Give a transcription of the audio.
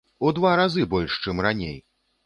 У два разы больш, чым раней!